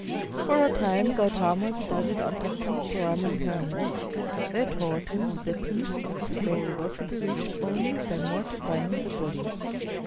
For a time Gautama studied under two Brahman hermits. They taught him that the peace of the soul was to be reached only by mortif\ ing the body.